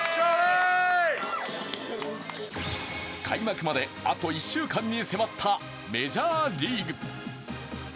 開幕まで、あと１週間に迫ったメジャーリーグ。